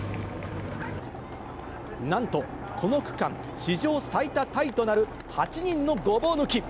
なんと、この区間史上最多タイとなる８人のごぼう抜き。